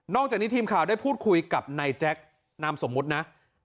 จากนี้ทีมข่าวได้พูดคุยกับนายแจ๊คนามสมมุตินะ